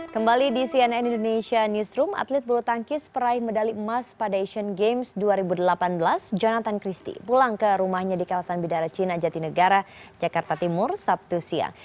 kembali di cnn indonesia newsroom atlet bulu tangkis peraih medali emas pada asian games dua ribu delapan belas jonathan christie pulang ke rumahnya di kawasan bidara cina jatinegara jakarta timur sabtu siang